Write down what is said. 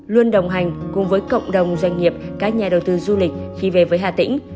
luôn đồng hành cùng với cộng đồng doanh nghiệp các nhà đầu tư du lịch khi về với hà tĩnh